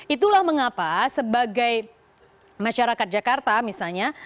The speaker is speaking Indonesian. itulah mengapa sebagai masyarakat jakarta misalnya